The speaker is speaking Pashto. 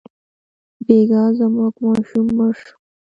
بېګا زموږ ماشوم مړ شو.